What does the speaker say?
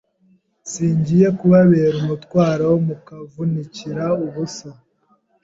singiye kubabera umutwaro mukavunikira ubusa